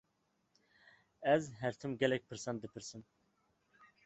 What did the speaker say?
Ez her tim gelek pirsan dipirsim.